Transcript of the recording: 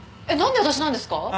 えっ何で私なんですか？